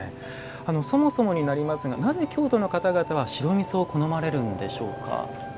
そもそもになりますがなぜ京都の方々は白みそを好まれるのでしょうか。